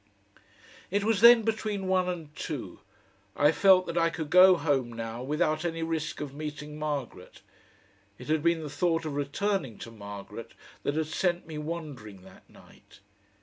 It was then between one and two. I felt that I could go home now without any risk of meeting Margaret. It had been the thought of returning to Margaret that had sent me wandering that night.